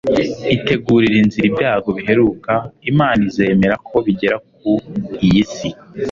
itegurira inzira ibyago biheruka imana izemera ko bigera ku iyi si